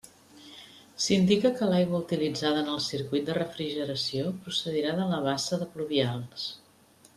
S'indica que l'aigua utilitzada en el circuit de refrigeració procedirà de la bassa de pluvials.